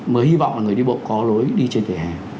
mới hy vọng là người đi bộ có lối đi trên vỉa hè